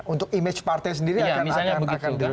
untuk image partai sendiri akan dilakukan